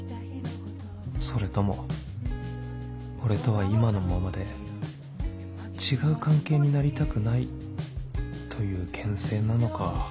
それとも俺とは今のままで違う関係になりたくないというけん制なのか